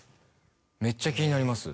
めっちゃ気になります